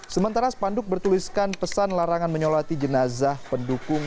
sementara spanduk bertuliskan pesan larangan menyolati jenazah pendukung